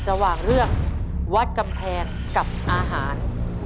ระหว่างเรื่องวัดกำแพงกับอาหาร